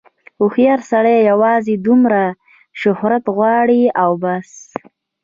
هوښیار سړی یوازې دومره شهرت غواړي او بس.